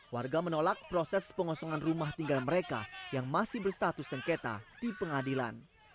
warga menolak proses pengosongan rumah tinggal mereka yang masih berstatus sengketa di pengadilan